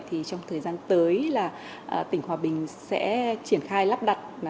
trong thời gian tới tỉnh hòa bình sẽ triển khai lắp đặt